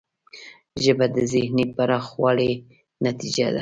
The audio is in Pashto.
ژبه د ذهنی پراخوالي نتیجه ده